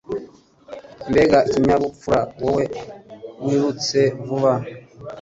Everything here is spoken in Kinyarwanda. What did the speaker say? Mbega ikinyabupfura wowe wirutse vuba